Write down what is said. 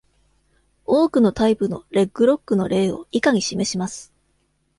多くのタイプのレッグロックの例を以下に示します。